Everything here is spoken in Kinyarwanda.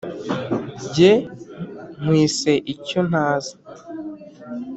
ge nkwise icyontazi